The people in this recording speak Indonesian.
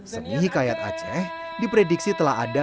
seni hikayat aceh diprediksi telah ada